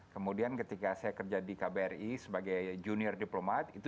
kemudian ketika saya kerja di kbri sebagai junior diplomat